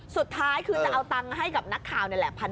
สุดท้ายคือจะเอาตังค์ให้กับนักข่าวนี่แหละ